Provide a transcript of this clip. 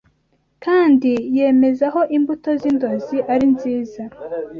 kandi yamezeho imbuto z’indozi ari nziza